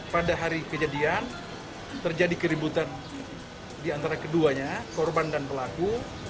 pada hari kejadian terjadi keributan di antara keduanya korban dan pelaku